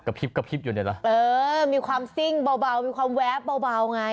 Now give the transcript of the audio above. พริบกระพริบอยู่เนี่ยนะเออมีความซิ่งเบามีความแวบเบาไง